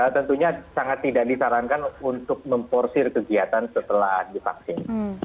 tentunya sangat tidak disarankan untuk memporsir kegiatan setelah divaksin